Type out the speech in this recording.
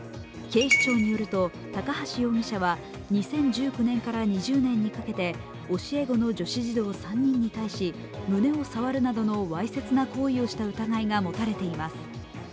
警視庁によると高橋容疑者は２０１９年から２０年にかけて教え子の女子児童３人に対し、胸を触るなどのわいせつな行為をした疑いが持たれています。